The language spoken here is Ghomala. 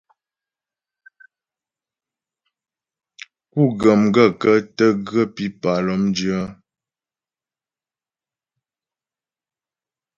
Pú ghə̀ gaə̂kə́ tə ghə́ pípà lɔ́mdyə́ ?